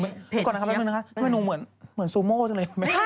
เดี๋ยวก่อนนะครับแม่หนูนะครับคุณแม่หนูเหมือนซูโม่จังเลย